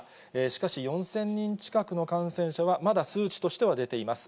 しかし、４０００人近くの感染者はまだ数値としては出ています。